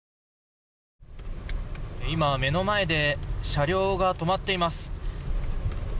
目の前で車両が止まっています。